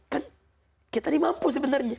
kan kita dimampu sebenarnya